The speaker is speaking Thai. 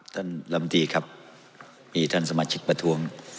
ลำตีครับมีท่านสมาชิกประท้วง